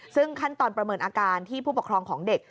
ซึ่งขั้นตอนประเมินอาการที่ผู้ปกครองของเด็ก